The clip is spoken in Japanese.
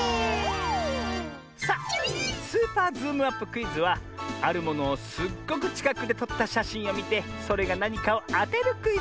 さあ「スーパーズームアップクイズ」はあるものをすっごくちかくでとったしゃしんをみてそれがなにかをあてるクイズ！